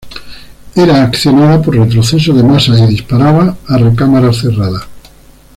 Era accionada por retroceso de masas y disparaba a recámara cerrada.